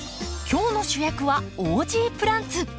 今日の主役はオージープランツ。